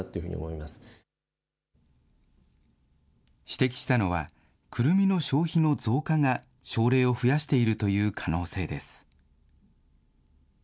指摘したのは、くるみの消費の増加が症例を増やしているという可能性です。